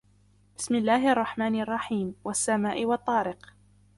بِسْمِ اللَّهِ الرَّحْمَنِ الرَّحِيمِ وَالسَّمَاءِ وَالطَّارِقِ